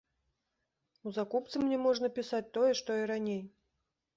У закупцы мне можна пісаць тое, што і раней.